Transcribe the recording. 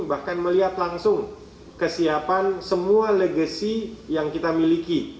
bahkan melihat langsung kesiapan semua legacy yang kita miliki